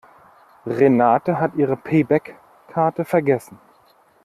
Renate hat ihre Payback-Karte vergessen.